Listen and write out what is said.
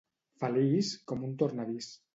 Feliç com un tornavís.